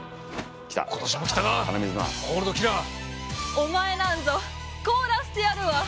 お前なんぞ凍らせてやるわ！